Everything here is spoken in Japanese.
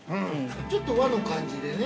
◆ちょっと和の感じでね。